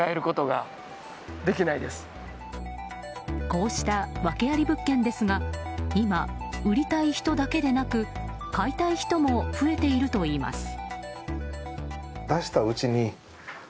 こうした訳あり物件ですが今、売りたい人だけでなく買いたい人も増えているといいます。